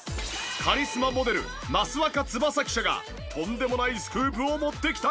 カリスマモデル益若つばさ記者がとんでもないスクープを持ってきた！